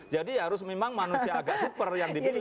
jadi harus memang manusia agak super yang dibuat nanti